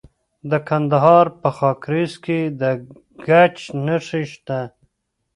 د کندهار په خاکریز کې د ګچ نښې شته.